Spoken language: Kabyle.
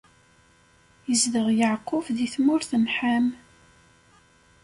Izdeɣ Yeɛqub di tmurt n Ḥam.